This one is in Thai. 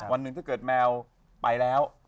วันหนึ่งถ้าเกิดแมวไปแล้ว